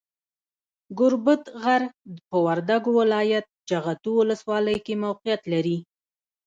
ګوربت غر، په وردګو ولایت، جغتو ولسوالۍ کې موقیعت لري.